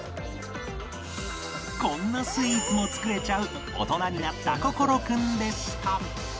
こんなスイーツも作れちゃう大人になった心くんでした